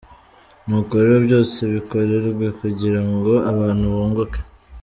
Nuko rero byose bikorerwe kugira ngo abantu bunguke.